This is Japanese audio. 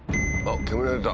煙が出た。